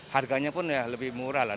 harganya pun ya lebih murah lah